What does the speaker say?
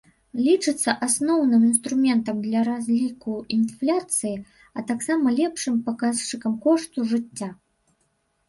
Лічыцца асноўным інструментам для разліку інфляцыі, а таксама лепшым паказчыкам кошту жыцця.